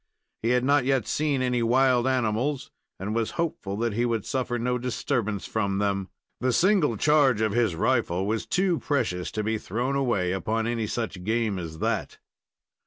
He had not yet seen any wild animals, and was hopeful that he would suffer no disturbance from them. The single charge of his rifle was to precious to be thrown away upon any such game as that.